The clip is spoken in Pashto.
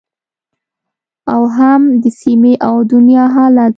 او هم د سیمې او دنیا حالت